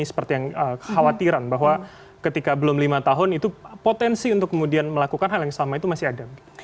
seperti yang khawatiran bahwa ketika belum lima tahun itu potensi untuk kemudian melakukan hal yang sama itu masih ada